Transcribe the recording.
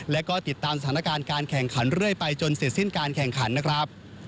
แล้วก็ติดตามสถานการณ์การแข่งขันเรื่อยไปจนเสร็จสิ้นการแข่งขันนะครับ